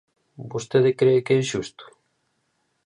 Vostede cre que é xusto?